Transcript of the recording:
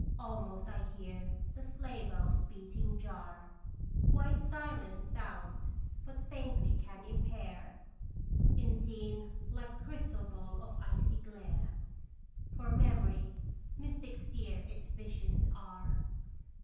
Almost I hear the sleigh bells' beating jar White silence sound but faintly can impair In scene like crystal ball of icy glare, For Memory, mystic seer its visions are